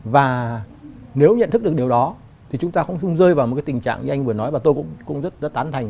và nếu nhận thức được điều đó thì chúng ta không xung rơi vào một cái tình trạng như anh vừa nói và tôi cũng rất tán thành